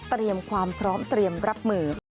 เตรียมความพร้อมเตรียมรับมือ